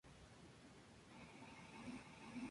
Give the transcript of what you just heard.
Su ubicación contaba con fuertes defensas naturales.